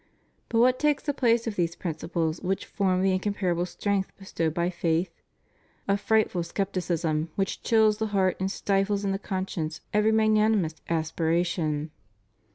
But what takes the place of these principles which form the incom parable strength bestowed by faith? A frightful scep ticism, which chills the heart and stifles in the conscience every magnanimous aspiration.